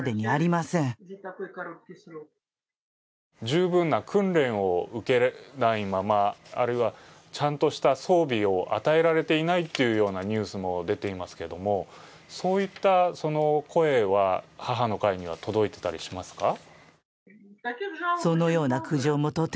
十分な訓練を受けないまま、あるいはちゃんとした装備を与えられていないというニュースも出ていますけれどもそういった声は母の会には届いていたりしますか？